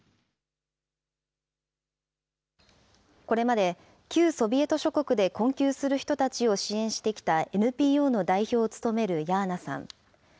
これまで、旧ソビエト諸国で困窮する人たちを支援してきたＮＰＯの代表を務めるヤーナさん。